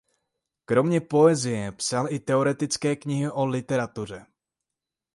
Kromě poezie psal i teoretické knihy o literatuře.